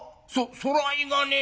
そらいがねえだ。